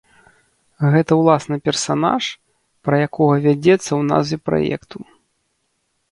Гэта ўласна персанаж, пра якога вядзецца ў назве праекту.